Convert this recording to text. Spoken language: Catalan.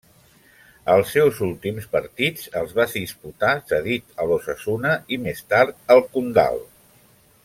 Els seus últims partits els va disputar cedit a l'Osasuna i més tard al Condal.